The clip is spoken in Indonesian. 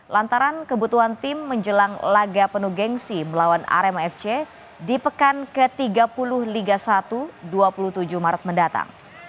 lantaran kebutuhan tim menjelang laga penuh gengsi melawan arema fc di pekan ke tiga puluh liga satu dua puluh tujuh maret mendatang